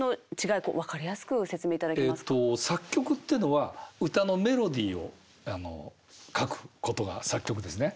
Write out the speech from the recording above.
作曲ってのは歌のメロディーを書くことが作曲ですね。